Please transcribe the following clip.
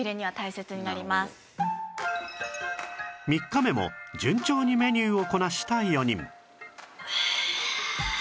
３日目も順調にメニューをこなした４人はあ。